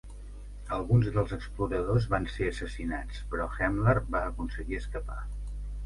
Alguns dels exploradors van ser assassinats, però Helmer va aconseguir escapar.